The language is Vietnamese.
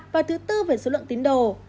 và thứ tư về số lượng tín đồ